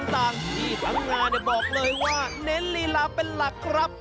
ต่างที่ทั้งงานบอกเลยว่าเน้นลีลาเป็นหลักครับ